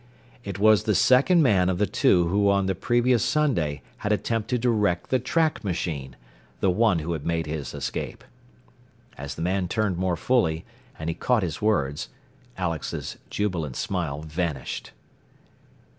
It was the second man of the two who on the previous Sunday had attempted to wreck the track machine the one who had made his escape. As the man turned more fully, and he caught his words, Alex's jubilant smile vanished.